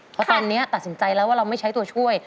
เพราะตอนนี้ตัดสินใจแล้วว่าเราไม่ใช้ตัวช่วย